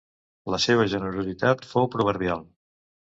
La seva generositat fou proverbial.